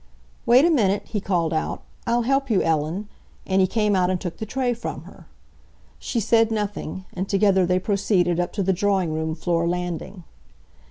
"Wait a minute!" he called out. "I'll help you, Ellen," and he came out and took the tray from her. She said nothing, and together they proceeded up to the drawing room floor landing.